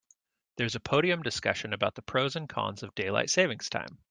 There's a podium discussion about the pros and cons of daylight saving time.